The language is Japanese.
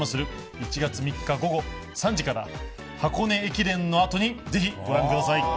１月３日午後３時から、箱根駅伝のあとにぜひご覧ください。